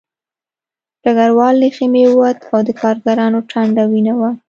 ډګروال له خیمې ووت او د کارګر ټنډه وینه وه